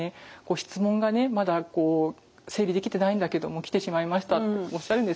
質問がねまだ整理できてないんだけども来てしまいましたっておっしゃるんですけどいいんです。